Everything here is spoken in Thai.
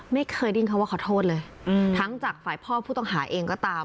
ไม่เคยได้ยินคำว่าขอโทษเลยทั้งจากฝ่ายพ่อผู้ต้องหาเองก็ตาม